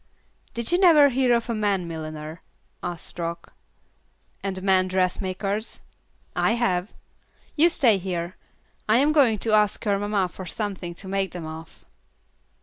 "Did you never hear of a man milliner?" asked Rock. "And men dressmakers? I have. You stay here. I am going to ask your mamma for something to make them of."